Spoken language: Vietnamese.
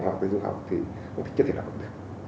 hoặc là dùng học thì chắc chắn là cũng được